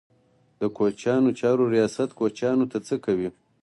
د کوچیانو چارو ریاست کوچیانو ته څه کوي؟